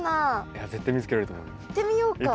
いってみようか。